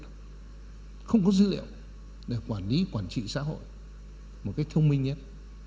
không có dữ liệu để quản lý quản trị xã hội một cách thông minh nhất